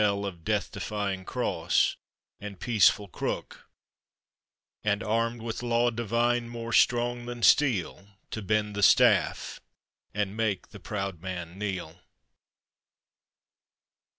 li )f death defying cross, and peaceful crook And armed with law divine more strong thai, steel, To bend the staff, and make the proud man kneel.